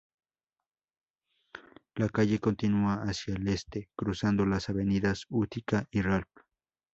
La calle continúa hacia el este, cruzando las avenidas Utica y Ralph.